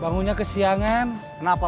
bangunnya kesiangan begadang kamu lupa apa